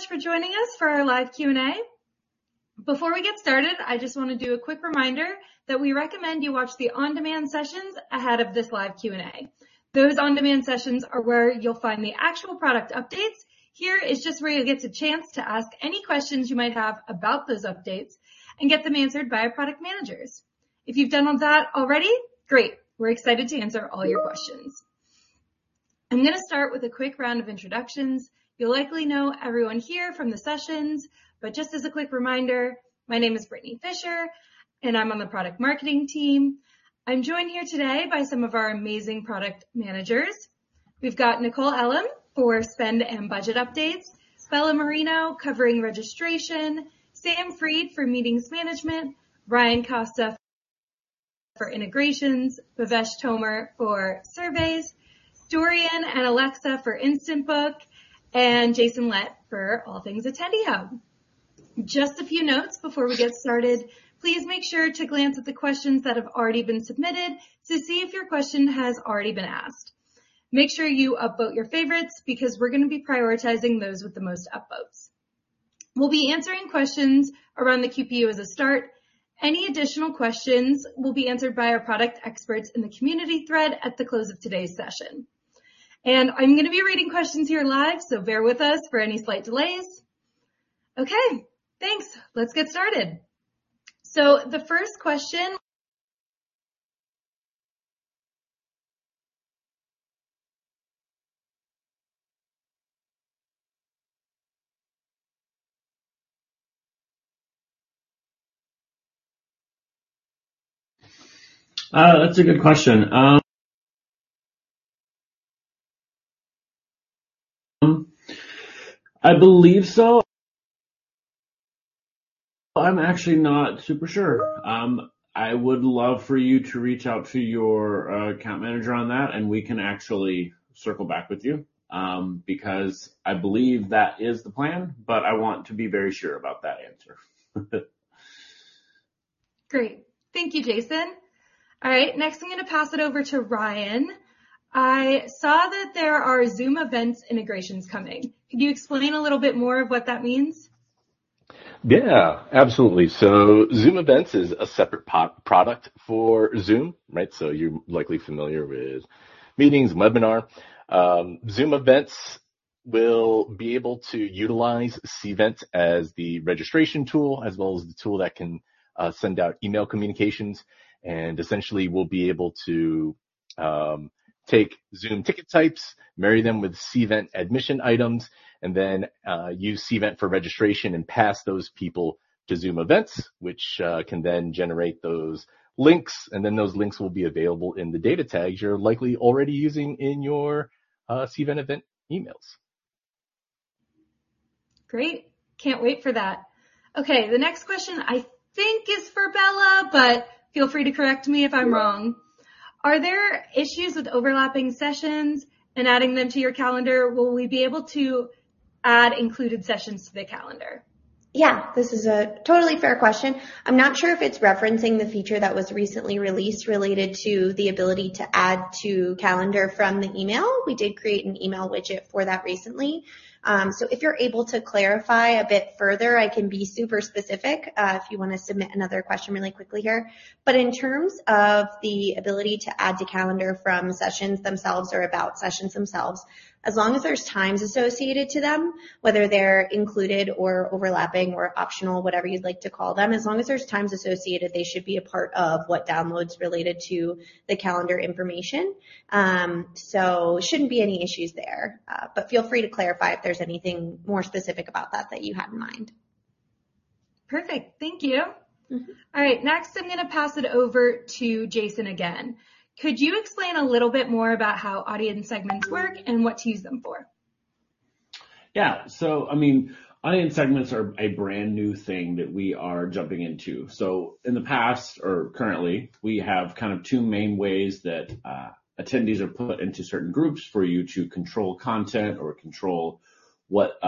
Hey, everyone. Thanks so much for joining us for our live Q&A. Before we get started, I just wanna do a quick reminder that we recommend you watch the on-demand sessions ahead of this live Q&A. Those on-demand sessions are where you'll find the actual product updates. Here is just where you'll get a chance to ask any questions you might have about those updates and get them answered by our product managers. If you've done all that already, great. We're excited to answer all your questions. I'm gonna start with a quick round of introductions. You likely know everyone here from the sessions, but just as a quick reminder, my name is Brittany Fisher, and I'm on the product marketing team. I'm joined here today by some of our amazing product managers. We've got Nicole Elam for Spend and Budget updates, Bella Marino covering Registration, Sam Fried for Meetings Management, Ryan Costa for Integrations, Bhavesh Tomar for Surveys, Dorian and Alexa for Instant Book, and Jason Lett for all things Attendee Hub. Just a few notes before we get started. Please make sure to glance at the questions that have already been submitted to see if your question has already been asked. Make sure you upvote your favorites because we're gonna be prioritizing those with the most upvotes. We'll be answering questions around the QPU as a start. Any additional questions will be answered by our product experts in the community thread at the close of today's session. I'm gonna be reading questions here live, so bear with us for any slight delays. Okay, thanks. Let's get started. The first question- That's a good question. I believe so. I'm actually not super sure. I would love for you to reach out to your account manager on that, and we can actually circle back with you, because I believe that is the plan, but I want to be very sure about that answer. Great. Thank you, Jason. All right, next I'm gonna pass it over to Ryan. I saw that there are Zoom Events integrations coming. Can you explain a little bit more of what that means? Yeah, absolutely. Zoom Events is a separate product for Zoom, right? You're likely familiar with Meetings, Webinar. Zoom Events will be able to utilize Cvent as the Registration tool, as well as the tool that can send out email communications. Essentially will be able to take Zoom ticket types, marry them with Cvent Admission Items, and then use Cvent for Registration and pass those people to Zoom Events, which can then generate those links, and then those links will be available in the data tags you're likely already using in your Cvent event emails. Great. Can't wait for that. The next question I think is for Bella, but feel free to correct me if I'm wrong. Are there issues with overlapping sessions and adding them to your calendar? Will we be able to add included sessions to the calendar? Yeah, this is a totally fair question. I'm not sure if it's referencing the feature that was recently released related to the ability to Add to Calendar from the email. We did create an email widget for that recently. If you're able to clarify a connect bit further, I can be super specific if you wanna submit another question really quickly here. But in terms of the ability to Add to Calendar from sessions themselves or about sessions themselves, as long as there's times associated to them, whether they're included or overlapping or optional, whatever you'd like to call them, as long as there's times associated, they should be a part of what downloads related to the calendar information. Shouldn't be any issues there, but feel free to clarify if there's anything more specific about that that you had in mind. Perfect. Thank you. Mm-hmm. All right, next I'm gonna pass it over to Jason again. Could you explain a little bit more about how Audience Segments work and what to use them for? I mean, Audience Segments are a brand new thing that we are jumping into. In the past, or currently, we have kind of two main ways that attendees are put into certain groups for you to control content or control what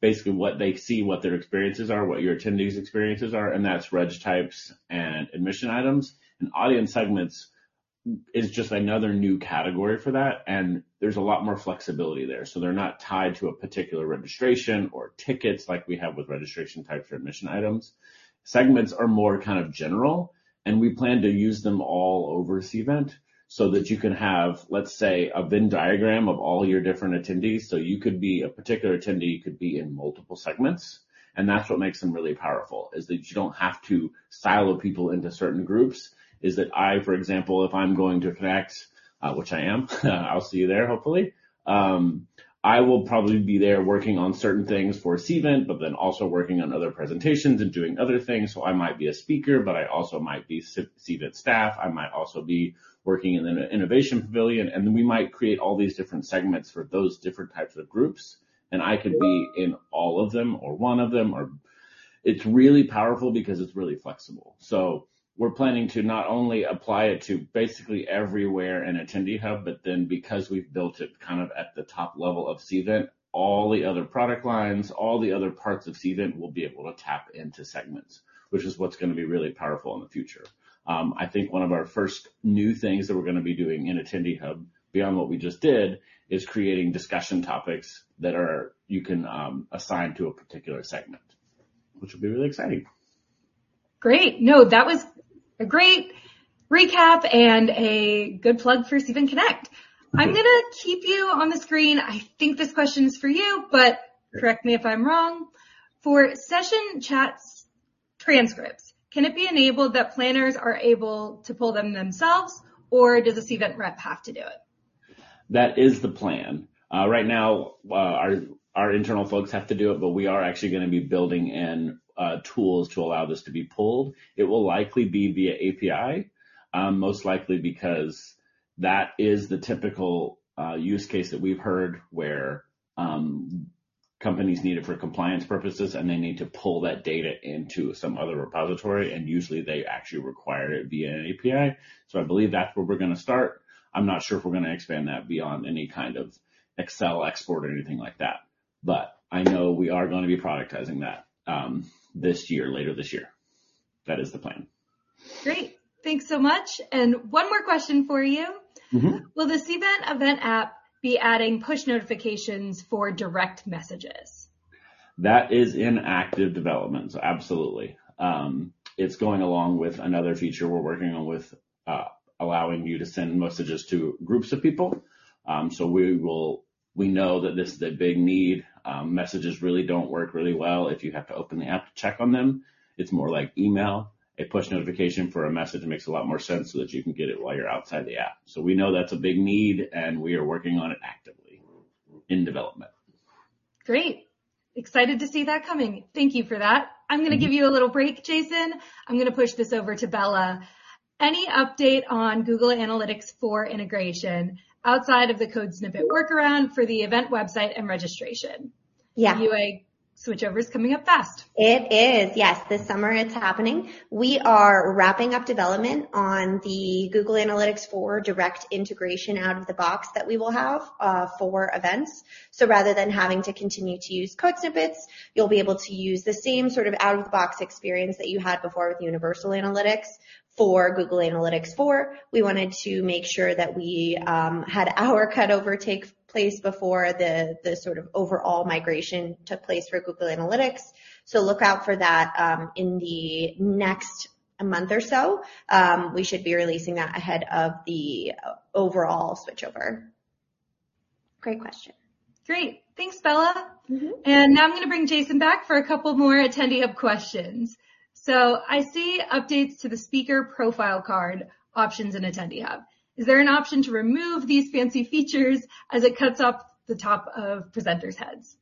basically what they see, what their experiences are, what your attendees' experiences are, and that's Registration Types and Admission Items. Audience Segments is just another new category for that, and there's a lot more flexibility there. They're not tied to a particular registration or tickets like we have with Registration Types or Admission Items. Segments are more kind of general, and we plan to use them all over Cvent so that you can have, let's say, a Venn diagram of all your different attendees. You could be a particular attendee, you could be in multiple segments. That's what makes them really powerful is that you don't have to silo people into certain groups. Is that I, for example, if I'm going to Cvent CONNECT, which I am, I'll see you there, hopefully. I will probably be there working on certain things for Cvent, also working on other presentations and doing other things. I might be a speaker, but I also might be Cvent staff. I might also be working in an Innovation Pavilion. We might create all these different segments for those different types of groups, and I could be in all of them or one of them. It's really powerful because it's really flexible. We're planning to not only apply it to basically everywhere in Attendee Hub, but then because we've built it kind of at the top level of Cvent, all the other product lines, all the other parts of Cvent will be able to tap into segments, which is what's gonna be really powerful in the future. I think one of our first new things that we're gonna be doing in Attendee Hub beyond what we just did is creating discussion topics that you can assign to a particular segment, which will be really exciting. Great. No, that was a great recap and a good plug for Cvent Connect. I'm gonna keep you on the screen. I think this question is for you, but correct me if I'm wrong. For session chats transcripts, can it be enabled that planners are able to pull them themselves, or does this Cvent rep have to do it? That is the plan. Right now, our internal folks have to do it, but we are actually gonna be building in tools to allow this to be pulled. It will likely be via API, most likely because that is the typical use case that we've heard where companies need it for compliance purposes, and they need to pull that data into some other repository, and usually, they actually require it via an API. I believe that's where we're gonna start. I'm not sure if we're gonna expand that beyond any kind of Excel export or anything like that, but I know we are gonna be productizing that this year, later this year. That is the plan. Great. Thanks so much. One more question for you? Mm-hmm. Will the Cvent event app be adding push notifications for direct messages? That is in active development. Absolutely. It's going along with another feature we're working on with allowing you to send messages to groups of people. We know that this is a big need. Messages really don't work really well if you have to open the app to check on them. It's more like email. A push notification for a message makes a lot more sense so that you can get it while you're outside the app. We know that's a big need, and we are working on it actively in development. Great. Excited to see that coming. Thank you for that. I'm gonna give you a little break, Jason. I'm gonna push this over to Bella. Any update on Google Analytics 4 integration outside of the code snippet workaround for the event website and Registration? Yeah. UA switchover is coming up fast. It is. Yes. This summer, it's happening. We are wrapping up development on the Google Analytics 4 direct integration out of the box that we will have for events. Rather than having to continue to use code snippets, you'll be able to use the same sort of out-of-the-box experience that you had before with Universal Analytics for Google Analytics 4. We wanted to make sure that we had our cutover take place before the sort of overall migration took place for Google Analytics. Look out for that in the next month or so. We should be releasing that ahead of the overall switchover. Great question. Great. Thanks, Bella. Mm-hmm. Now I'm gonna bring Jason back for a couple more Attendee Hub questions. I see updates to the speaker profile card options in Attendee Hub. Is there an option to remove these fancy features as it cuts off the top of presenters' heads?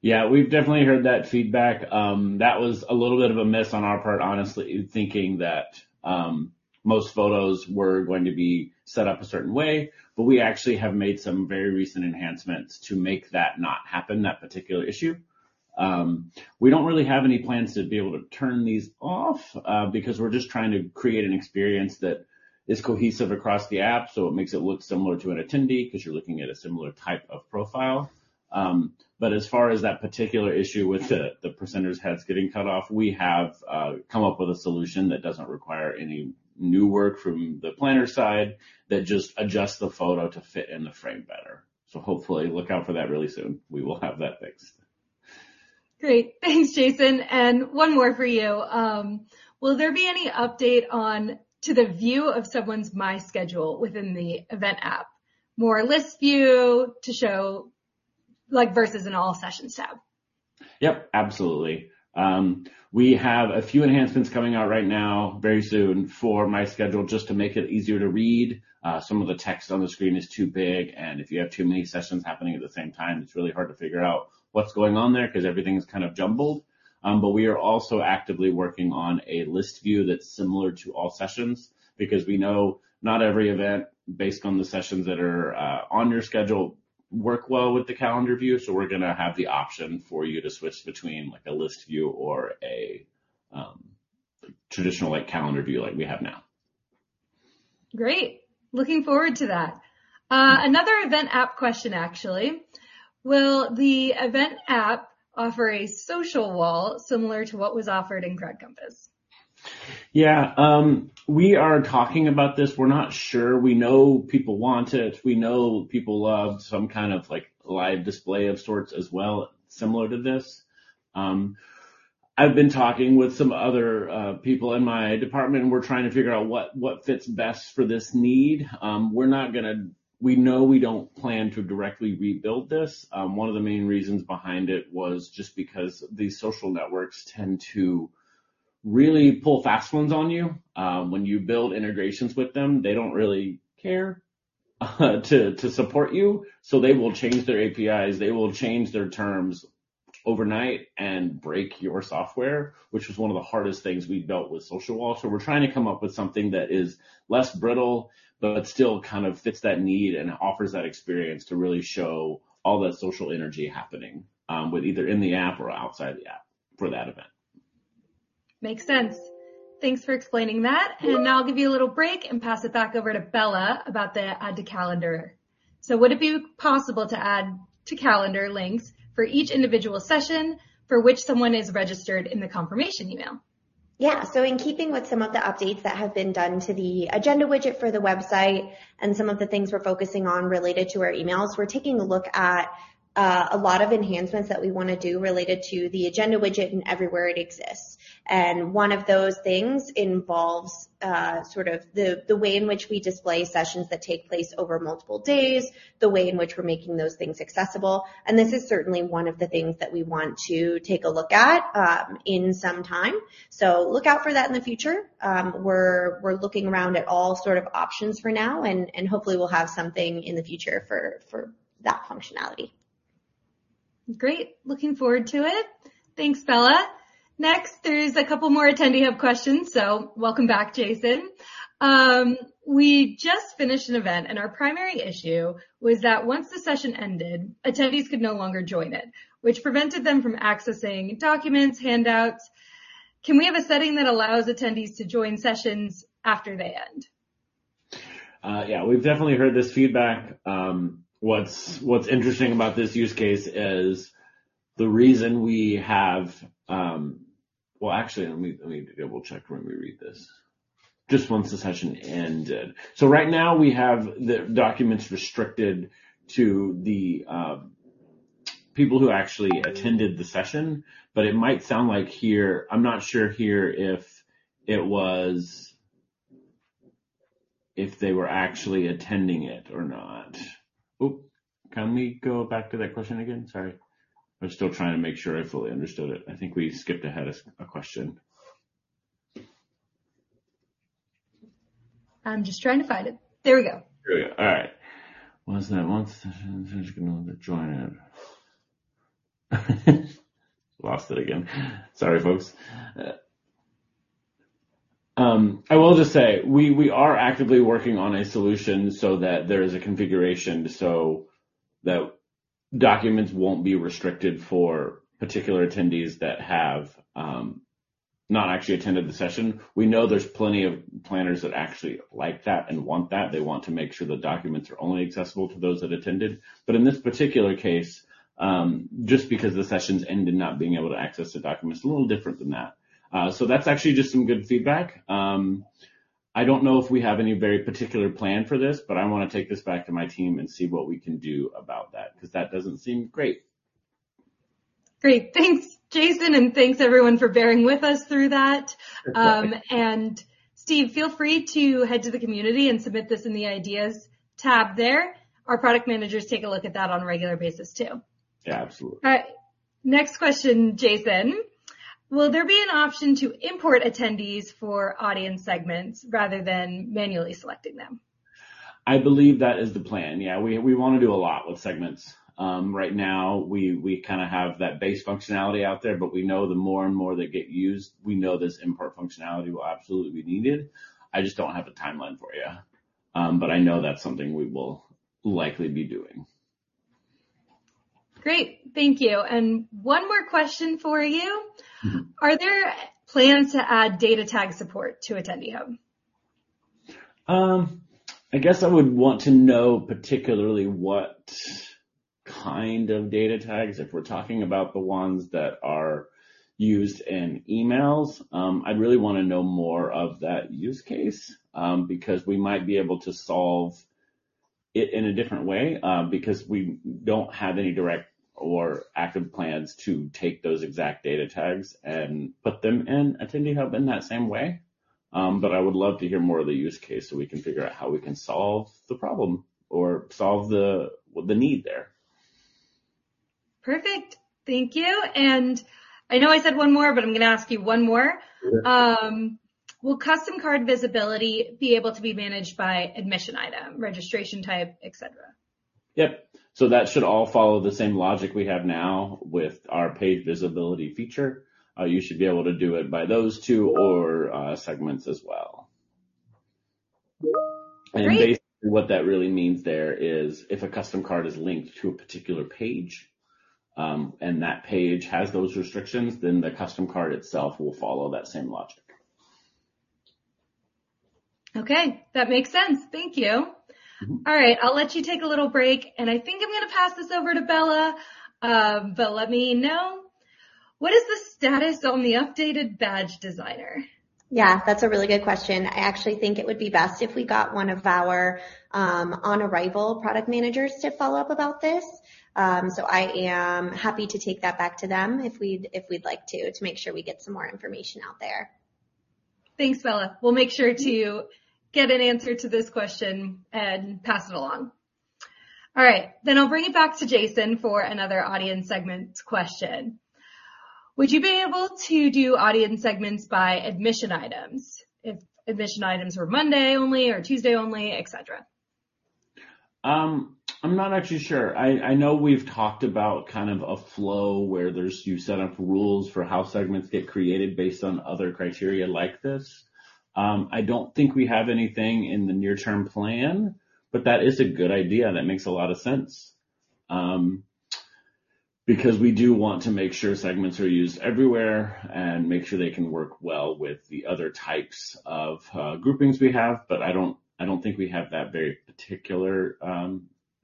Yeah. We've definitely heard that feedback. That was a little bit of a miss on our part, honestly, thinking that most photos were going to be set up a certain way. We actually have made some very recent enhancements to make that not happen, that particular issue. We don't really have any plans to be able to turn these off, because we're just trying to create an experience that is cohesive across the app, so it makes it look similar to an attendee 'cause you're looking at a similar type of profile. As far as that particular issue with the presenters' heads getting cut off, we have come up with a solution that doesn't require any new work from the planner side that just adjusts the photo to fit in the frame better. Hopefully, look out for that really soon. We will have that fixed. Great. Thanks, Jason. One more for you. Will there be any update on to the view of someone's My Schedule within the event app? More list view to show versus an all sessions tab. Yep, absolutely. We have a few enhancements coming out right now, very soon, for My Schedule just to make it easier to read. Some of the text on the screen is too big, and if you have too many sessions happening at the same time, it's really hard to figure out what's going on there 'cause everything's kind of jumbled. We are also actively working on a list view that's similar to all sessions because we know not every event based on the sessions that are on your schedule work well with the calendar view. We're gonna have the option for you to switch between, like, a list view or a traditional, like, calendar view like we have now. Great. Looking forward to that. Actually, another event app question. Will the event app offer a social wall similar to what was offered in CrowdCompass? We are talking about this. We're not sure. We know people want it. We know people loved some kind of, like, live display of sorts as well, similar to this. I've been talking with some other people in my department, we're trying to figure out what fits best for this need. We know we don't plan to directly rebuild this. One of the main reasons behind it was just because these social networks tend to really pull fast ones on you when you build integrations with them. They don't really care to support you. They will change their APIs, they will change their terms overnight and break your software, which was one of the hardest things we built with social wall. We're trying to come up with something that is less brittle but still kind of fits that need and offers that experience to really show all that social energy happening with either in the app or outside the app for that event. Makes sense. Thanks for explaining that. Now I'll give you a little break and pass it back over to Bella about the Add to Calendar. Would it be possible to Add to Calendar links for each individual session for which someone is registered in the confirmation email? Yeah. In keeping with some of the updates that have been done to the Agenda Widget for the website and some of the things we're focusing on related to our emails, we're taking a look at a lot of enhancements that we want to do related to the Agenda Widget and everywhere it exists. One of those things involves sort of the way in which we display sessions that take place over multiple days, the way in which we're making those things accessible, and this is certainly one of the things that we want to take a look at in some time. Look out for that in the future. We're looking around at all sort of options for now, and hopefully we'll have something in the future for that functionality. Great. Looking forward to it. Thanks, Bella. Next, there's a couple more Attendee Hub questions, welcome back, Jason. We just finished an event, and our primary issue was that once the session ended, attendees could no longer join it, which prevented them from accessing documents, handouts. Can we have a setting that allows attendees to join sessions after they end? Yeah, we've definitely heard this feedback. What's interesting about this use case is the reason we have. Well, actually, let me double-check when we read this. Just once the session ended. Right now, we have the documents restricted to the people who actually attended the session, but it might sound like here. I'm not sure here if they were actually attending it or not. Oop! Can we go back to that question again? Sorry. I'm still trying to make sure I fully understood it. I think we skipped ahead a question. I'm just trying to find it. There we go. There we go. All right. Once the session finished, could no longer join it. Lost it again. Sorry, folks. I will just say we are actively working on a solution so that there is a configuration so that documents won't be restricted for particular attendees that have not actually attended the session. We know there's plenty of planners that actually like that and want that. They want to make sure the documents are only accessible to those that attended. In this particular case, just because the sessions ended not being able to access the documents, it's a little different than that. That's actually just some good feedback. I don't know if we have any very particular plan for this, but I wanna take this back to my team and see what we can do about that, because that doesn't seem great. Great. Thanks, Jason, and thanks everyone for bearing with us through that. Steve, feel free to head to the community and submit this in the Ideas tab there. Our product managers take a look at that on a regular basis too. Yeah. Absolutely. All right. Next question, Jason. Will there be an option to import attendees for Audience Segments rather than manually selecting them? I believe that is the plan. Yeah, we wanna do a lot with segments. Right now we kinda have that base functionality out there, but we know the more and more they get used, we know this import functionality will absolutely be needed. I just don't have a timeline for you. I know that's something we will likely be doing. Great. Thank you. One more question for you. Mm-hmm. Are there plans to add data tag support to Attendee Hub? I guess I would want to know particularly what kind of data tags. If we're talking about the ones that are used in emails, I'd really wanna know more of that use case, because we might be able to solve it in a different way, because we don't have any direct or active plans to take those exact data tags and put them in Attendee Hub in that same way. I would love to hear more of the use case, so we can figure out how we can solve the problem or solve the need there. Perfect. Thank you. I know I said one more, but I'm gonna ask you one more. Yeah. Will Custom Card visibility be able to be managed by Admission Item, Registration Type, et cetera? Yep. That should all follow the same logic we have now with our page visibility feature. You should be able to do it by those two or segments as well. Great. Basically what that really means there is if a Custom Card is linked to a particular page, and that page has those restrictions, then the Custom Card itself will follow that same logic. Okay. That makes sense. Thank you. Mm-hmm. All right. I'll let you take a little break. I think I'm gonna pass this over to Bella. Let me know, what is the status on the updated Badge Designer? Yeah, that's a really good question. I actually think it would be best if we got one of our OnArrival product managers to follow up about this. I am happy to take that back to them if we'd like to make sure we get some more information out there. Thanks, Bella. We'll make sure to get an answer to this question and pass it along. All right. I'll bring it back to Jason for another Audience Segments question. Would you be able to do Audience Segments by Admission Items? If Admission Items were Monday only or Tuesday only, et cetera. I'm not actually sure. I know we've talked about kind of a flow where there's. You set up rules for how Segments get created based on other criteria like this. I don't think we have anything in the near-term plan, but that is a good idea. That makes a lot of sense. Because we do want to make sure Segments are used everywhere and make sure they can work well with the other types of groupings we have. I don't think we have that very particular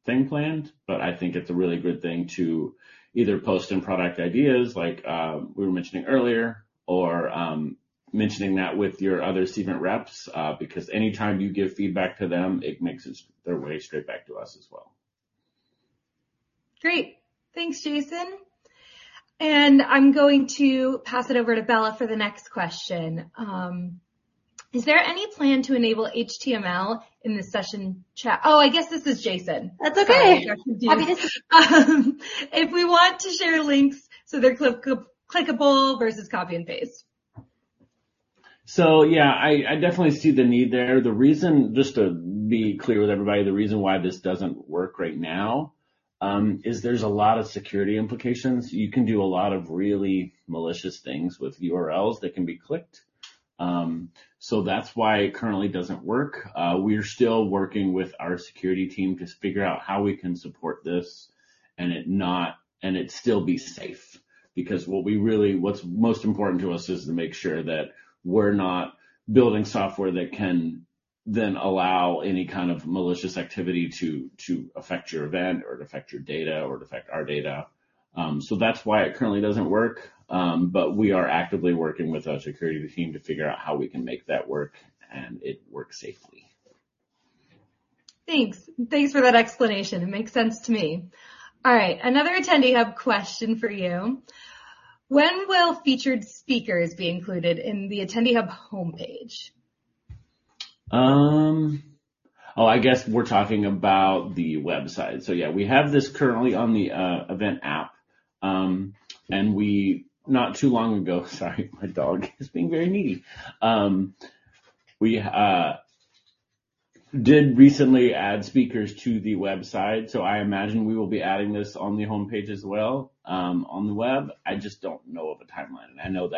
thing planned, but I think it's a really good thing to either post in product ideas like we were mentioning earlier or mentioning that with your other segment reps, because anytime you give feedback to them, it makes their way straight back to us as well. Great. Thanks, Jason. I'm going to pass it over to Bella for the next question. Is there any plan to enable HTML in the session chat? Oh, I guess this is Jason. That's okay. Sorry, Jason. Happy to. If we want to share links so they're click-clickable versus copy and paste. Yeah, I definitely see the need there. Just to be clear with everybody, the reason why this doesn't work right now, is there's a lot of security implications. You can do a lot of really malicious things with URLs that can be clicked. That's why it currently doesn't work. We're still working with our security team to figure out how we can support this and it still be safe because what's most important to us is to make sure that we're not building software that can then allow any kind of malicious activity to affect your event or affect your data or affect our data. That's why it currently doesn't work. We are actively working with our security team to figure out how we can make that work and it work safely. Thanks. Thanks for that explanation. It makes sense to me. All right. Another Attendee Hub question for you. When will featured speakers be included in the Attendee Hub homepage? I guess we're talking about the website. We have this currently on the event app. Sorry, my dog is being very needy. We did recently add speakers to the website. I imagine we will be adding this on the homepage as well on the web. I just don't know of a timeline. I know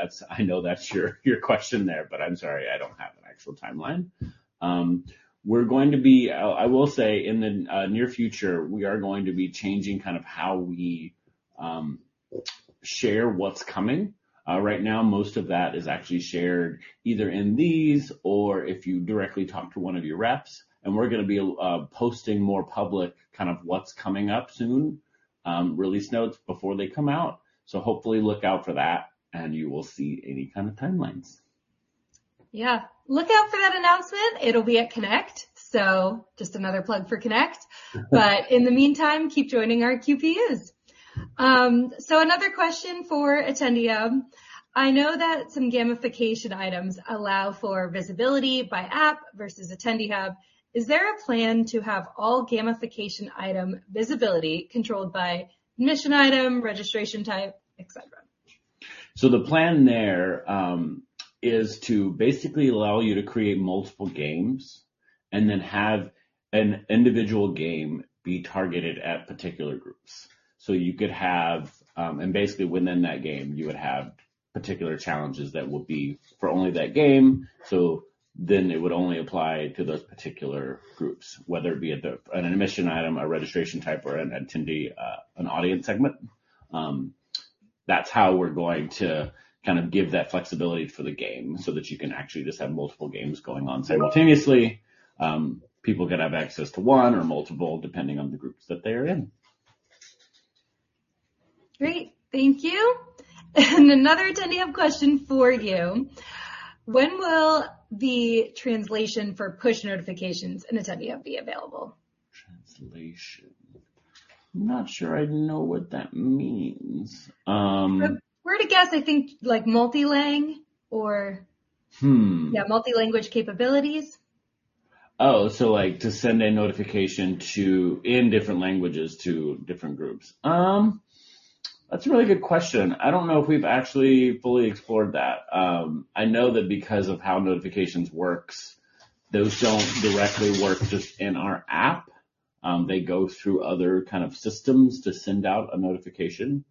that's your question there. I'm sorry, I don't have an actual timeline. I will say in the near future, we are going to be changing kind of how we share what's coming. Right now, most of that is actually shared either in these or if you directly talk to one of your reps. We're gonna be posting more public, kind of what's coming up soon, release notes before they come out. Hopefully look out for that, you will see any kind of timelines. Look out for that announcement. It'll be at CONNECT. Just another plug for CONNECT. In the meantime, keep joining our QPUs. Another question for Attendee Hub. I know that some gamification items allow for visibility by app versus Attendee Hub. Is there a plan to have all gamification item visibility controlled by mission item, registration type, et cetera? The plan there, is to basically allow you to create multiple games and then have an individual game be targeted at particular groups. Basically within that game, you would have particular challenges that would be for only that game. It would only apply to those particular groups, whether it be an Admission Item, a Registration Type, or an attendee, an Audience Segment. That's how we're going to kind of give that flexibility for the game so that you can actually just have multiple games going on simultaneously. People could have access to one or multiple, depending on the groups that they are in. Great. Thank you. Another Attendee Hub question for you. When will the translation for push notifications in Attendee Hub be available? Translation. I'm not sure I know what that means. If we're to guess, I think, like, Multi-Language or... Hmm. Yeah, Multi-Language capabilities. Like, to send a notification to... in different languages to different groups. That's a really good question. I don't know if we've actually fully explored that. I know that because of how notifications works, those don't directly work just in our app. They go through other kind of systems to send out a notification.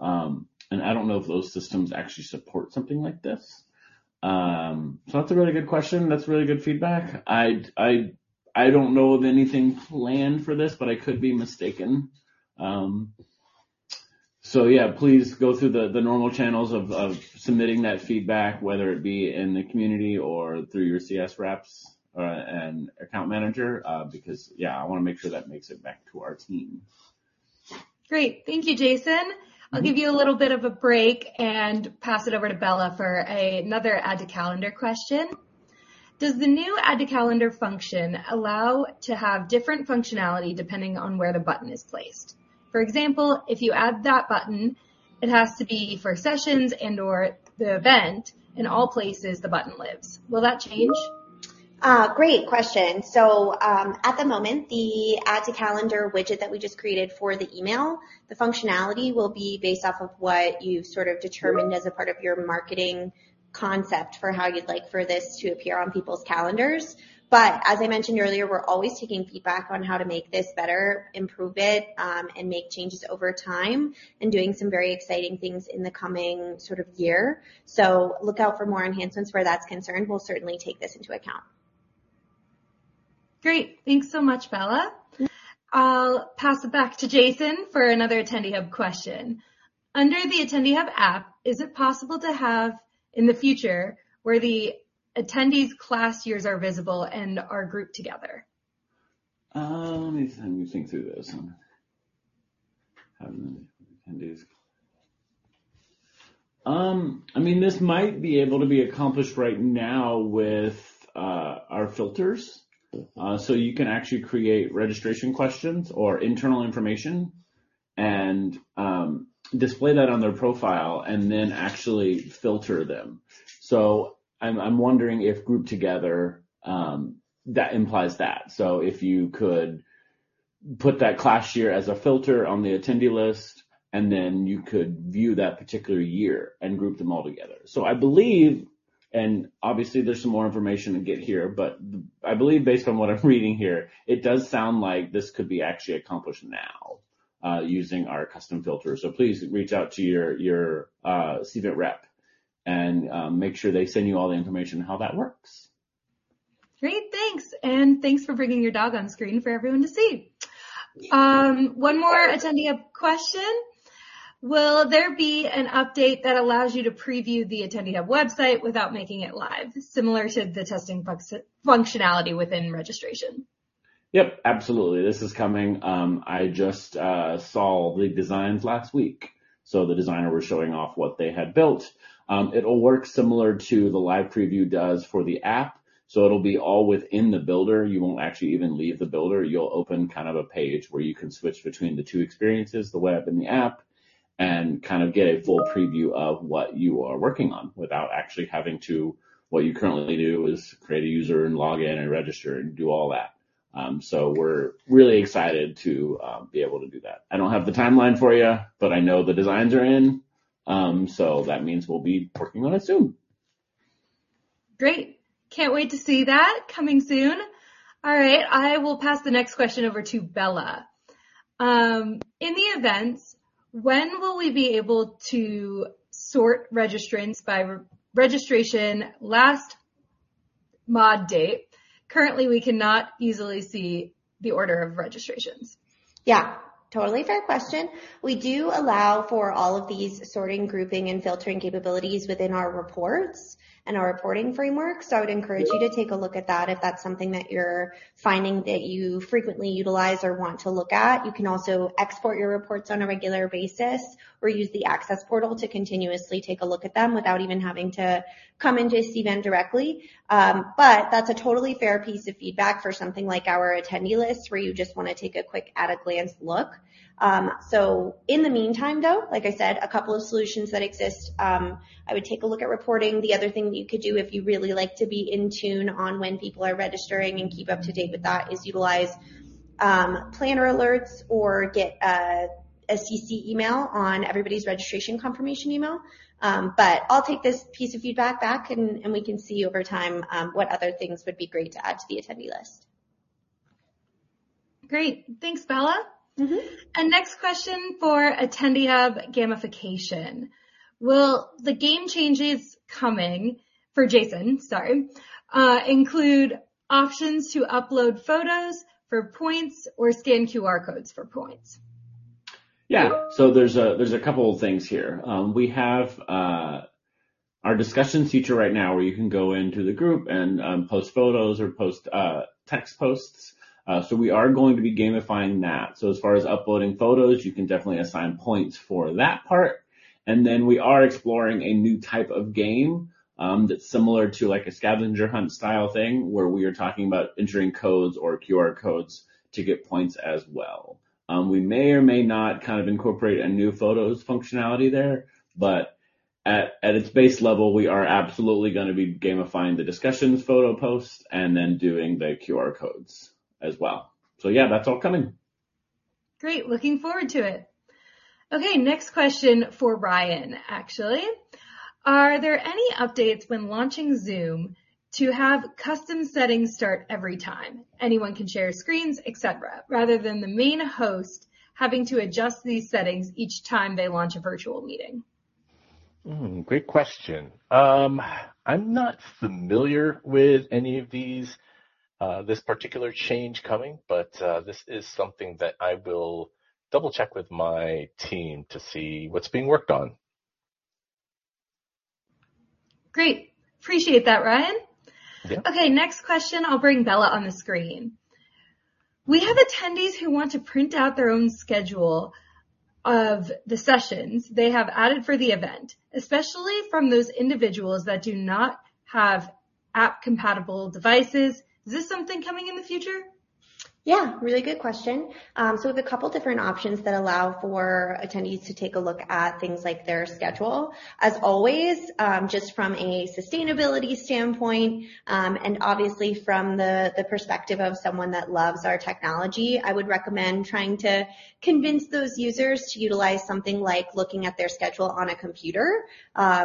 I don't know if those systems actually support something like this. That's a really good question. That's really good feedback. I don't know of anything planned for this, but I could be mistaken. Yeah, please go through the normal channels of submitting that feedback, whether it be in the community or through your CS reps or and account manager, because, yeah, I wanna make sure that makes it back to our team. Great. Thank you, Jason. I'll give you a little bit of a break and pass it over to Bella for another Add to Calendar question. Does the new Add to Calendar function allow to have different functionality depending on where the button is placed? For example, if you add that button, it has to be for sessions and/or the event in all places the button lives. Will that change? Great question. At the moment, the Add to Calendar widget that we just created for the email, the functionality will be based off of what you've sort of determined as a part of your marketing concept for how you'd like for this to appear on people's calendars. As I mentioned earlier, we're always taking feedback on how to make this better, improve it, and make changes over time, and doing some very exciting things in the coming sort of year. Look out for more enhancements where that's concerned. We'll certainly take this into account. Great. Thanks so much, Bella. Mm-hmm. I'll pass it back to Jason for another Attendee Hub question. Under the Attendee Hub app, is it possible to have, in the future, where the attendees class years are visible and are grouped together? Let me think through this one. I mean, this might be able to be accomplished right now with our filters. You can actually create registration questions or internal information and display that on their profile and then actually filter them. I'm wondering if grouped together, that implies that. If you could put that class year as a filter on the attendee list, and then you could view that particular year and group them all together. I believe and obviously there's some more information to get here, but I believe based on what I'm reading here, it does sound like this could be actually accomplished now, using our custom filters. Please reach out to your Cvent rep and make sure they send you all the information on how that works. Great. Thanks. Thanks for bringing your dog on screen for everyone to see. One more Attendee Hub question. Will there be an update that allows you to preview the Attendee Hub website without making it live, similar to the testing functionality within Registration? Yep, absolutely. This is coming. I just saw the designs last week. The designer was showing off what they had built. It'll work similar to the live preview does for the app, so it'll be all within the builder. You won't actually even leave the builder. You'll open kind of a page where you can switch between the two experiences, the web and the app, and kind of get a full preview of what you are working on without actually having to. What you currently do is create a user and log in and register and do all that. We're really excited to be able to do that. I don't have the timeline for you, but I know the designs are in. That means we'll be working on it soon. Great. Can't wait to see that coming soon. All right. I will pass the next question over to Bella. In the events, when will we be able to sort registrants by re-registration last mod date? Currently, we cannot easily see the order of registrations. Yeah, totally fair question. We do allow for all of these sorting, grouping, and filtering capabilities within our reports and our reporting framework. I would encourage you to take a look at that if that's something that you're finding that you frequently utilize or want to look at. You can also export your reports on a regular basis or use the Access Portal to continuously take a look at them without even having to come into Cvent directly. That's a totally fair piece of feedback for something like our attendee list, where you just wanna take a quick at-a-glance look. In the meantime, though, like I said, a couple of solutions that exist, I would take a look at reporting. The other thing that you could do if you really like to be in tune on when people are registering and keep up to date with that is utilize, Planner Alerts or get a CC email on everybody's registration confirmation email. I'll take this piece of feedback back, and we can see over time, what other things would be great to add to the attendee list. Great. Thanks, Bella. Mm-hmm. Next question for Attendee Hub gamification. Will the game changes coming, for Jason, sorry, include options to upload photos for points or scan QR codes for points? Yeah. There's a couple of things here. We have our Discussions feature right now where you can go into the group and post photos or post text posts. We are going to be gamifying that. As far as uploading photos, you can definitely assign points for that part. We are exploring a new type of game that's similar to like a scavenger hunt style thing where we are talking about entering codes or QR codes to get points as well. We may or may not kind of incorporate a new photos functionality there, but at its base level, we are absolutely gonna be gamifying the Discussions photo posts and then doing the QR codes as well. Yeah, that's all coming. Great. Looking forward to it. Okay. Next question for Ryan, actually. Are there any updates when launching Zoom to have custom settings start every time, anyone can share screens, etc., rather than the main host having to adjust these settings each time they launch a virtual meeting? Great question. I'm not familiar with any of these, this particular change coming, but this is something that I will double-check with my team to see what's being worked on. Great. Appreciate that, Ryan. Yeah. Okay. Next question, I'll bring Bella on the screen. We have attendees who want to print out their own schedule of the sessions they have added for the event, especially from those individuals that do not have app-compatible devices. Is this something coming in the future? Yeah. Really good question. We have a couple of different options that allow for attendees to take a look at things like their schedule. As always, just from a sustainability standpoint, and obviously from the perspective of someone that loves our technology, I would recommend trying to convince those users to utilize something like looking at their schedule on a computer,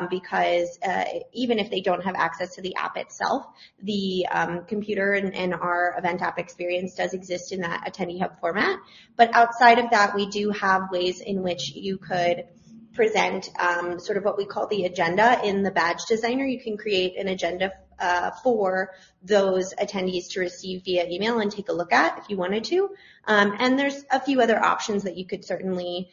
because even if they don't have access to the app itself, the computer and our event app experience does exist in that Attendee Hub format. Outside of that, we do have ways in which you could present sort of what we call the agenda in the Badge Designer. You can create an agenda for those attendees to receive via email and take a look at if you wanted to. There's a few other options that you could certainly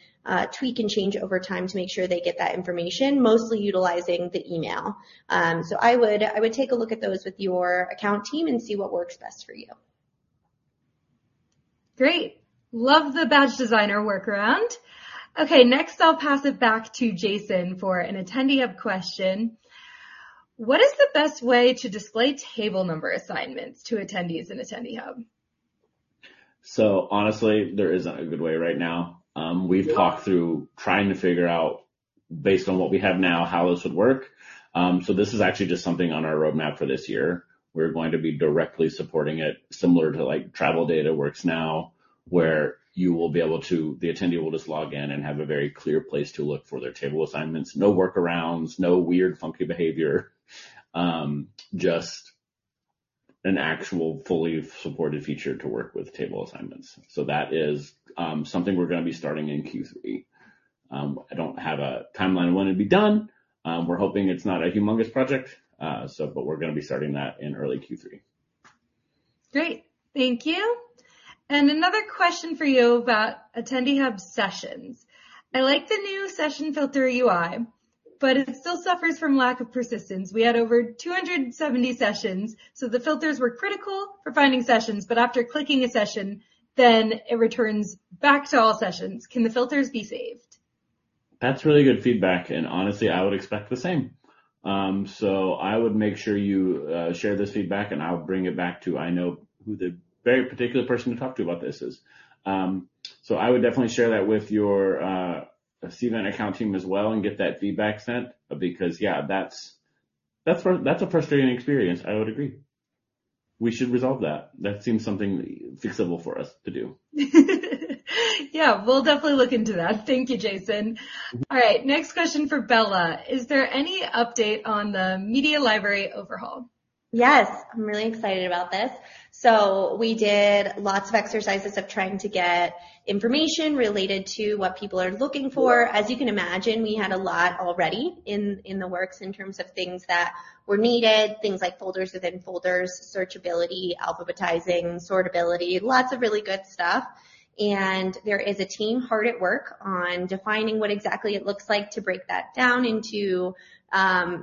tweak and change over time to make sure they get that information, mostly utilizing the email. I would take a look at those with your account team and see what works best for you. Great. Love the Badge Designer workaround. Okay, next, I'll pass it back to Jason for an Attendee Hub question. What is the best way to display table number assignments to attendees in Attendee Hub? Honestly, there isn't a good way right now. We've talked through trying to figure out, based on what we have now, how this would work. This is actually just something on our roadmap for this year. We're going to be directly supporting it, similar to like travel data works now, where you will be able to... The attendee will just log in and have a very clear place to look for their table assignments. No workarounds, no weird funky behavior, just an actual fully supported feature to work with table assignments. That is something we're gonna be starting in Q3. I don't have a timeline when it'll be done. We're hoping it's not a humongous project, but we're gonna be starting that in early Q3. Great. Thank you. Another question for you about Attendee Hub sessions. I like the new session filter UI, it still suffers from lack of persistence. We had over 270 sessions, the filters were critical for finding sessions, after clicking a session, it returns back to all sessions. Can the filters be saved? That's really good feedback, and honestly, I would expect the same. I would make sure you share this feedback, and I'll bring it back to. I know who the very particular person to talk to about this is. I would definitely share that with your Cvent account team as well and get that feedback sent because, yeah, that's a frustrating experience, I would agree. We should resolve that. That seems something fixable for us to do. Yeah, we'll definitely look into that. Thank you, Jason. All right, next question for Bella. Is there any update on the Media Library overhaul? Yes. I'm really excited about this. We did lots of exercises of trying to get information related to what people are looking for. As you can imagine, we had a lot already in the works in terms of things that were needed, things like folders within folders, searchability, alphabetizing, sortability, lots of really good stuff, and there is a team hard at work on defining what exactly it looks like to break that down into,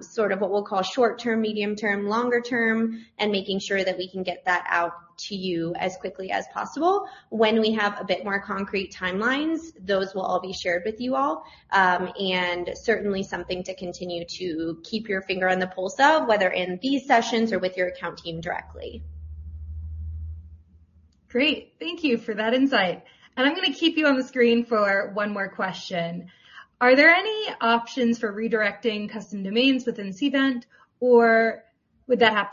sort of what we'll call short-term, medium-term, longer term, and making sure that we can get that out to you as quickly as possible. When we have a bit more concrete timelines, those will all be shared with you all, and certainly something to continue to keep your finger on the pulse of, whether in these sessions or with your account team directly. Great. Thank you for that insight. I'm gonna keep you on the screen for one more question. Are there any options for redirecting custom domains within Cvent, or would that have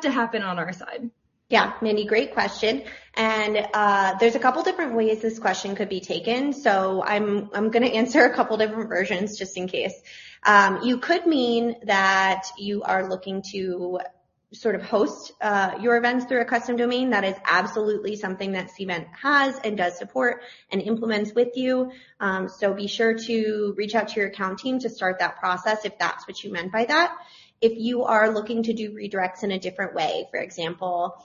to happen on our side? Yeah. Mandy, great question, there's a couple different ways this question could be taken, so I'm gonna answer a couple different versions just in case. You could mean that you are looking to sort of host your events through a custom domain. That is absolutely something that Cvent has and does support and implements with you. Be sure to reach out to your account team to start that process if that's what you meant by that. If you are looking to do redirects in a different way, for example,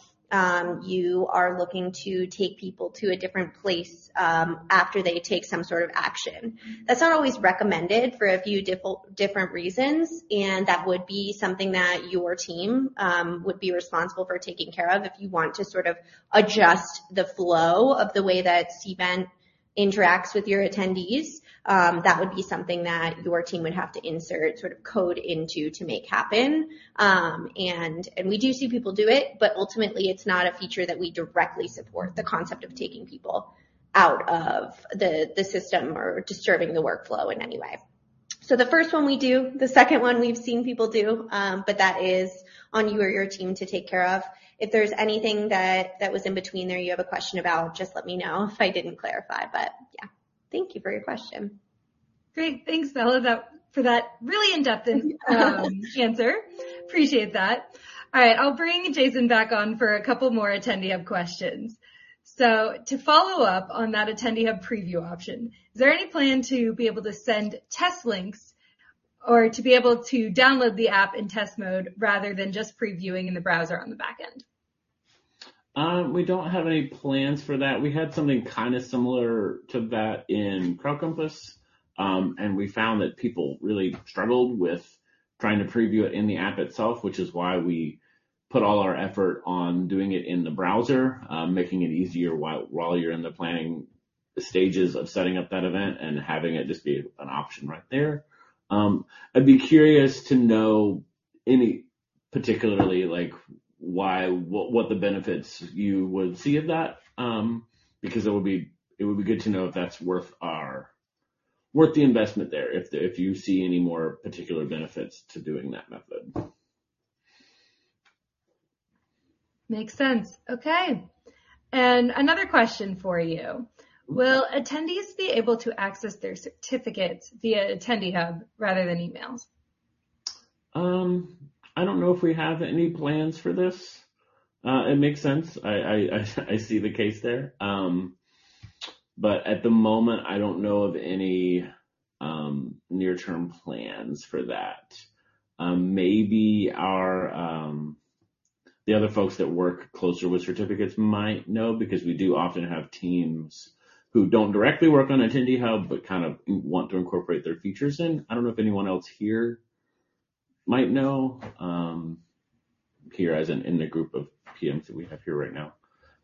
you are looking to take people to a different place after they take some sort of action, that's not always recommended for a few different reasons, that would be something that your team would be responsible for taking care of. If you want to sort of adjust the flow of the way that Cvent interacts with your attendees, that would be something that your team would have to insert sort of code into to make happen. We do see people do it, but ultimately it's not a feature that we directly support the concept of taking people out of the system or disturbing the workflow in any way. The first one we do, the second one we've seen people do, but that is on you or your team to take care of. If there's anything that was in between there you have a question about, just let me know if I didn't clarify, but yeah. Thank you for your question. Great. Thanks, Bella, for that really in-depth answer. Appreciate that. All right. I'll bring Jason back on for a couple more Attendee Hub questions. To follow up on that Attendee Hub preview option, is there any plan to be able to send test links or to be able to download the app in test mode rather than just previewing in the browser on the back end? We don't have any plans for that. We had something kinda similar to that CrowdCompass, and we found that people really struggled with trying to preview it in the app itself, which is why we put all our effort on doing it in the browser, making it easier while you're in the planning stages of setting up that event and having it just be an option right there. I'd be curious to know any particularly, like, why, what the benefits you would see of that, because it would be good to know if that's worth the investment there, if you see any more particular benefits to doing that method. Makes sense. Okay. Another question for you: Will attendees be able to access their certificates via Attendee Hub rather than emails? I don't know if we have any plans for this. It makes sense. I see the case there. At the moment, I don't know of any near-term plans for that. Maybe our the other folks that work closer with certificates might know because we do often have teams who don't directly work on Attendee Hub, but kind of want to incorporate their features in. I don't know if anyone else here might know, here as in the group of PMs that we have here right now.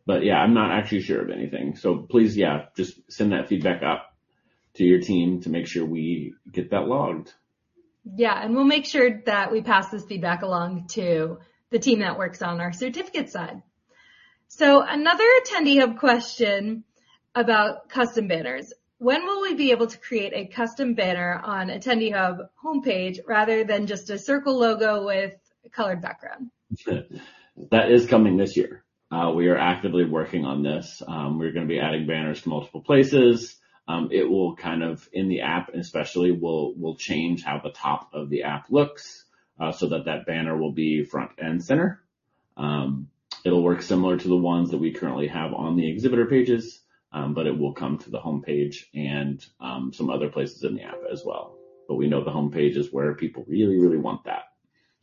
Yeah, I'm not actually sure of anything. Please, yeah, just send that feedback up to your team to make sure we get that logged. Yeah. We'll make sure that we pass this feedback along to the team that works on our certificate side. Another Attendee Hub question about custom banners. When will we be able to create a custom banner on Attendee Hub homepage rather than just a circle logo with colored background? That is coming this year. We are actively working on this. We're gonna be adding banners to multiple places. It will kind of, in the app especially, will change how the top of the app looks, so that that banner will be front and center. It'll work similar to the ones that we currently have on the exhibitor pages, but it will come to the homepage and some other places in the app as well. We know the homepage is where people really want that.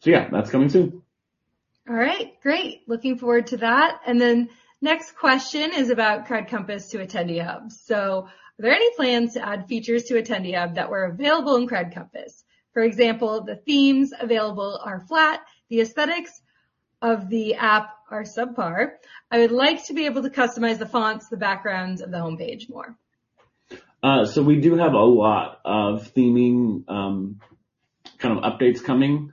Yeah, that's coming soon. All right. Great. Looking forward to that. Next question is CrowdCompass to Attendee Hub. Are there any plans to add features to Attendee Hub that were available CrowdCompass? for example, the themes available are flat, the aesthetics of the app are subpar. I would like to be able to customize the fonts, the backgrounds of the homepage more. We do have a lot of theming, kind of updates coming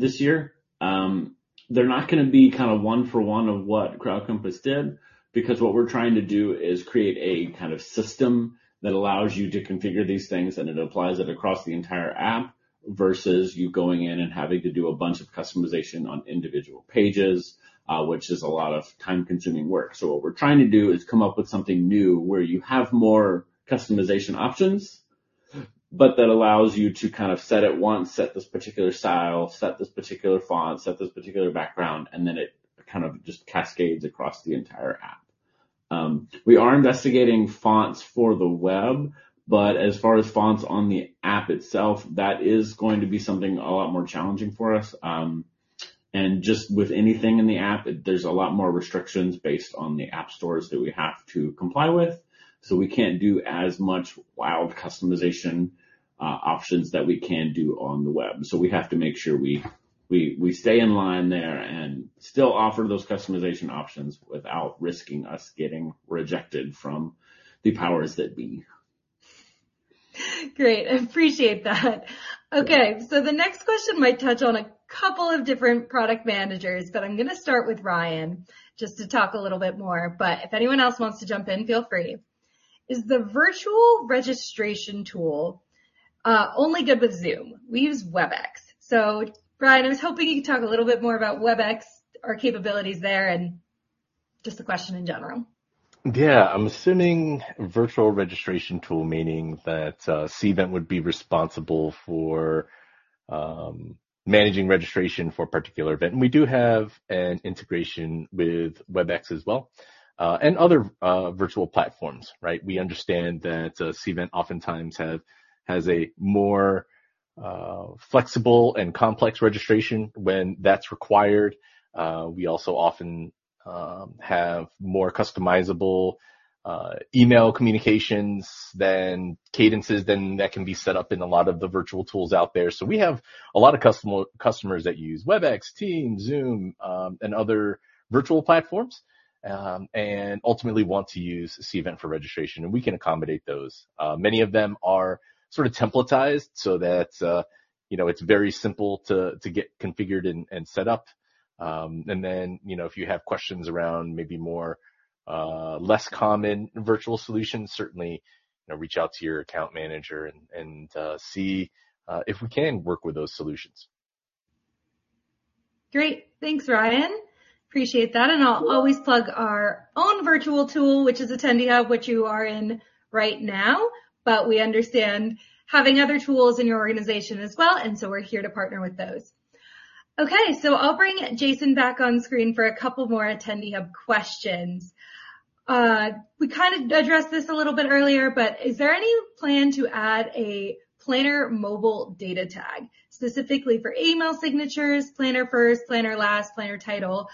this year. They're not gonna be kind of one for one of CrowdCompass did because what we're trying to do is create a kind of system that allows you to configure these things, and it applies it across the entire app versus you going in and having to do a bunch of customization on individual pages, which is a lot of time-consuming work. What we're trying to do is come up with something new where you have more customization options, but that allows you to kind of set it once, set this particular style, set this particular font, set this particular background, and then it kind of just cascades across the entire app. We are investigating fonts for the web, as far as fonts on the app itself, that is going to be something a lot more challenging for us. Just with anything in the app, there's a lot more restrictions based on the app stores that we have to comply with, so we can't do as much wild customization, options that we can do on the web. We have to make sure we stay in line there and still offer those customization options without risking us getting rejected from the powers that be. Great. I appreciate that. Okay. The next question might touch on a couple of different product managers, but I'm gonna start with Ryan just to talk a little bit more, but if anyone else wants to jump in, feel free. Is the virtual registration tool only good with Zoom? We use Webex. Ryan, I was hoping you could talk a little bit more about Webex, our capabilities there, and just the question in general. Yeah. I'm assuming virtual registration tool meaning that Cvent would be responsible for managing registration for a particular event. We do have an integration with WebEx as well, and other virtual platforms, right? We understand that Cvent oftentimes has a more flexible and complex registration when that's required. We also often have more customizable email communications than cadences that can be set up in a lot of the virtual tools out there. We have a lot of customers that use WebEx, Teams, Zoom, and other virtual platforms, and ultimately want to use Cvent for registration, and we can accommodate those. Many of them are sort of templatized so that, you know, it's very simple to get configured and set up. you know, if you have questions around maybe more, less common virtual solutions, certainly, you know, reach out to your account manager and see if we can work with those solutions. Great. Thanks, Ryan. Appreciate that. I'll always plug our own virtual tool, which is Attendee Hub, which you are in right now, but we understand having other tools in your organization as well, we're here to partner with those. I'll bring Jason back on screen for a couple more Attendee Hub questions. We kind of addressed this a little bit earlier, is there any plan to add a planner mobile data tag, specifically for email signatures, planner first, planner last, planner title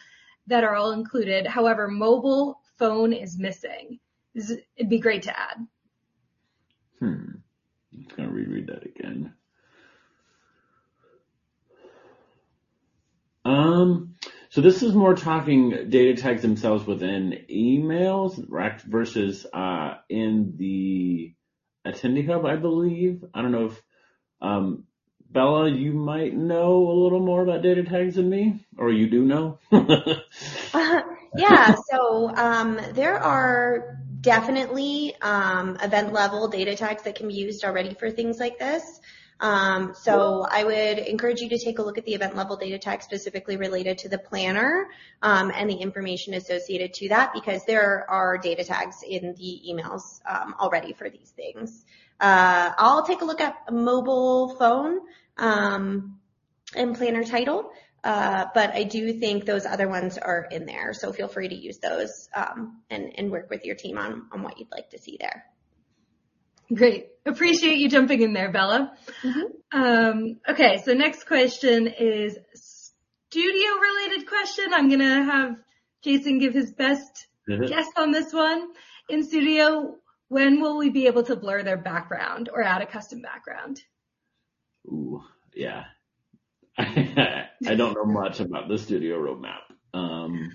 that are all included? However, mobile phone is missing. This, it'd be great to add. I'm just gonna reread that again. This is more talking data tags themselves within emails versus in the Attendee Hub, I believe. I don't know if, Bella, you might know a little more about data tags than me, or you do know? Yeah. There are definitely event-level data tags that can be used already for things like this. I would encourage you to take a look at the event-level data tags specifically related to the planner, and the information associated to that because there are data tags in the emails already for these things. I'll take a look at mobile phone. Planner title. I do think those other ones are in there, so feel free to use those, and work with your team on what you'd like to see there. Great. Appreciate you jumping in there, Bella. Mm-hmm. Okay, so next question is Studio-related question. I'm gonna have Jason give his best- Mm-hmm. guess on this one. In Studio, when will we be able to blur their background or add a custom background? Yeah. I don't know much about the Studio roadmap.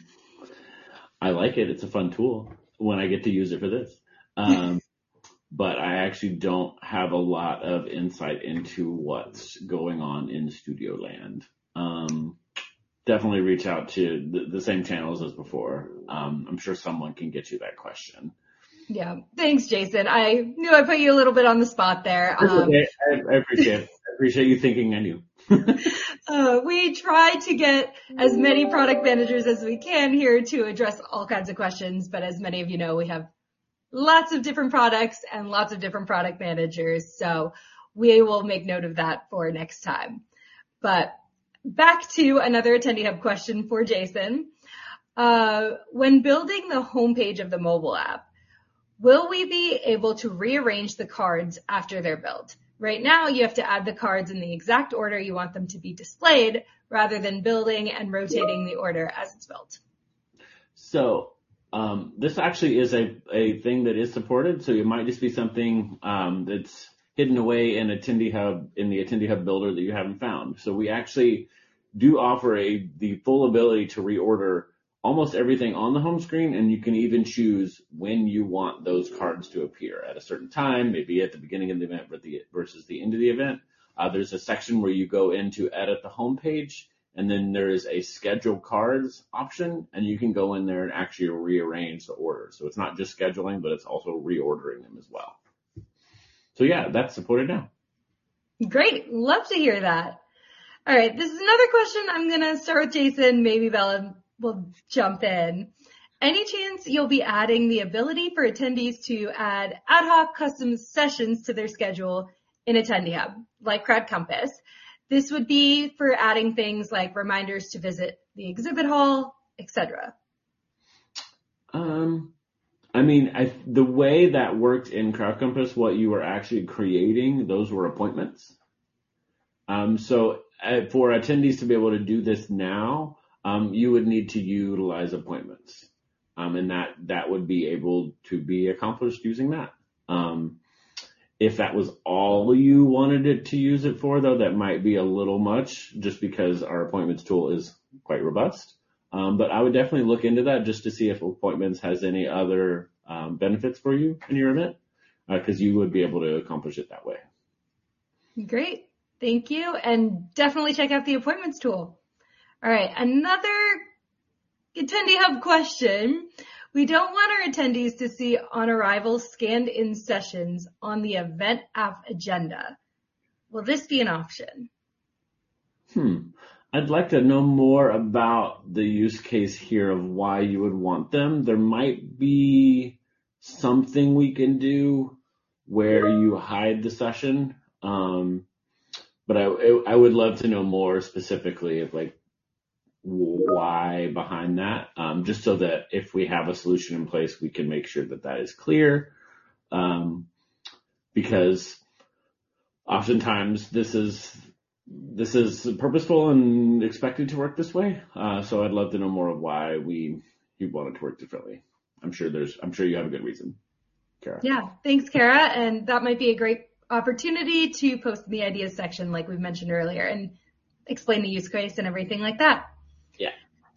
I like it. It's a fun tool when I get to use it for this. I actually don't have a lot of insight into what's going on in Studio land. Definitely reach out to the same channels as before. I'm sure someone can get you that question. Yeah. Thanks, Jason. I knew I put you a little bit on the spot there. It's okay. I appreciate it. I appreciate you thinking of me. We try to get as many product managers as we can here to address all kinds of questions. As many of you know, we have lots of different products and lots of different product managers. We will make note of that for next time. Back to another Attendee Hub question for Jason. When building the homepage of the mobile app, will we be able to rearrange the cards after they're built? Right now, you have to add the cards in the exact order you want them to be displayed, rather than building and rotating the order as it's built. This actually is a thing that is supported, so it might just be something that's hidden away in Attendee Hub, in the Attendee Hub builder that you haven't found. We actually do offer the full ability to reorder almost everything on the home screen, and you can even choose when you want those cards to appear, at a certain time, maybe at the beginning of the event versus the end of the event. There's a section where you go in to edit the homepage, and then there is a Schedule Cards option, and you can go in there and actually rearrange the order. It's not just scheduling, but it's also reordering them as well. Yeah, that's supported now. Great. Love to hear that. This is another question I'm gonna start with Jason, maybe Bella will jump in. Any chance you'll be adding the ability for attendees to add ad hoc custom sessions to their schedule in Attendee Hub, CrowdCompass? this would be for adding things like reminders to visit the exhibit hall, et cetera. I mean, The way that worked CrowdCompass, what you were actually creating, those were Appointments. For attendees to be able to do this now, you would need to utilize Appointments. And that would be able to be accomplished using that. If that was all you wanted it to use it for though, that might be a little much just because our Appointments tool is quite robust. I would definitely look into that just to see if Appointments has any other benefits for you in your event, 'cause you would be able to accomplish it that way. Great. Thank you. Definitely check out the Appointments tool. All right. Another Attendee Hub question: We don't want our attendees to see OnArrival scanned-in sessions on the event app agenda. Will this be an option? I'd like to know more about the use case here of why you would want them. There might be something we can do where you hide the session, but I would love to know more specifically of like why behind that, just so that if we have a solution in place, we can make sure that that is clear, because oftentimes this is purposeful and expected to work this way. I'd love to know more of why you'd want it to work differently. I'm sure you have a good reason, Kara. Yeah. Thanks, Kara, that might be a great opportunity to post in the idea section like we mentioned earlier and explain the use case and everything like that.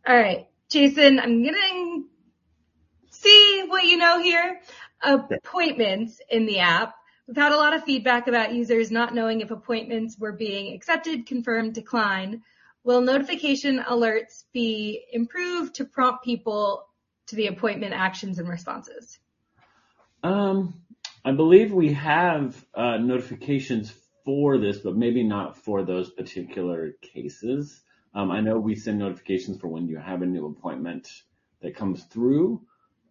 Yeah. All right. Jason, I'm gonna see what you know here of appointments in the app. We've had a lot of feedback about users not knowing if appointments were being accepted, confirmed, declined. Will notification alerts be improved to prompt people to the appointment actions and responses? I believe we have notifications for this, but maybe not for those particular cases. I know we send notifications for when you have a new appointment that comes through.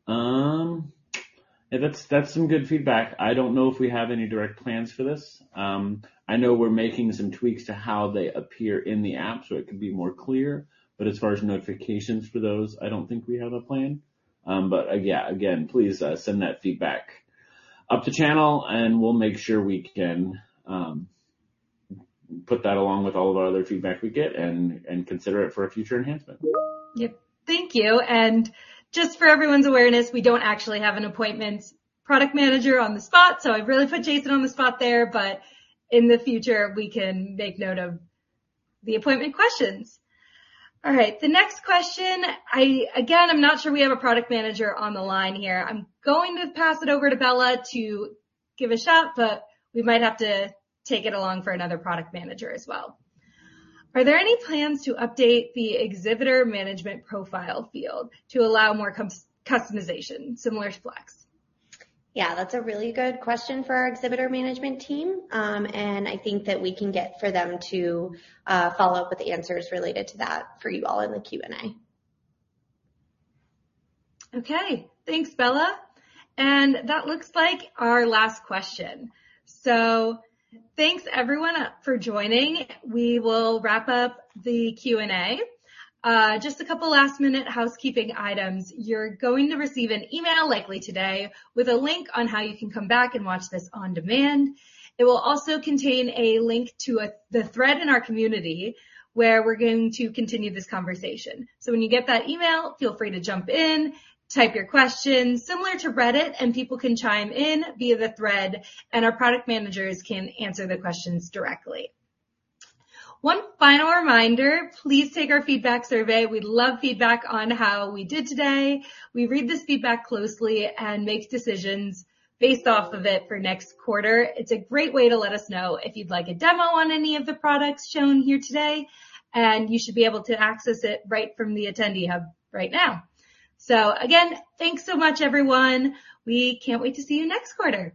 Yeah, that's some good feedback. I don't know if we have any direct plans for this. I know we're making some tweaks to how they appear in the app, so it can be more clear. As far as notifications for those, I don't think we have a plan. Yeah, again, please send that feedback up the channel, and we'll make sure we can put that along with all of our other feedback we get and consider it for a future enhancement. Yep. Thank you. Just for everyone's awareness, we don't actually have an Appointments product manager on the spot, so I really put Jason on the spot there. In the future, we can make note of the Appointments questions. All right. The next question, I, again, I'm not sure we have a product manager on the line here. I'm going to pass it over to Bella to give a shot, but we might have to take it along for another product manager as well. Are there any plans to update the Exhibitor Management profile field to allow more customization, similar to Flex? Yeah, that's a really good question for our Exhibitor Management team. I think that we can get for them to follow up with the answers related to that for you all in the Q&A. Okay. Thanks, Bella. That looks like our last question. Thanks everyone for joining. We will wrap up the Q&A. Just a couple last-minute housekeeping items. You're going to receive an email, likely today, with a link on how you can come back and watch this on demand. It will also contain a link to the thread in our community, where we're going to continue this conversation. When you get that email, feel free to jump in, type your questions, similar to Reddit, and people can chime in via the thread, and our product managers can answer the questions directly. One final reminder, please take our feedback survey. We'd love feedback on how we did today. We read this feedback closely and make decisions based off of it for next quarter. It's a great way to let us know if you'd like a demo on any of the products shown here today. You should be able to access it right from the Attendee Hub right now. Again, thanks so much, everyone. We can't wait to see you next quarter.